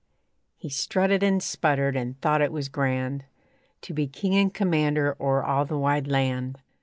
He strutted and sputtered and thought it was grand To be king and commander o'er all the wide land.